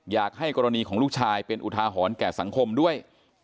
อยากให้กรณีของลูกชายเป็นอุทาหรณ์แก่สังคมด้วย